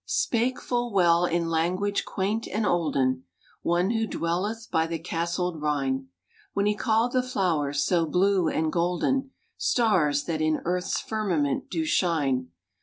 "Spake full well in language quaint and olden, One who dwelleth by the castled Rhine, When he called the flowers, so blue and golden, Stars, that in earth's firmament do shine.